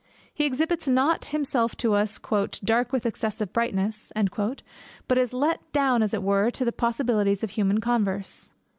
He exhibits not himself to us "dark with excessive brightness," but is let down as it were to the possibilities of human converse.